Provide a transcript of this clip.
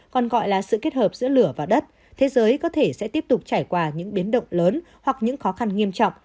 còn gọi là sự kết hợp giữa lửa và đất thế giới có thể sẽ tiếp tục trải qua những biến động lớn hoặc những khó khăn nghiêm trọng